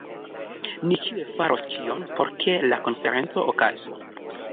Ni ĉiuj faros ĉion, por ke la konferenco okazu.